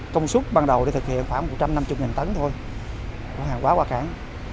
công suất ban đầu để thực hiện khoảng một trăm năm mươi tấn thôi có hàng quá quá cản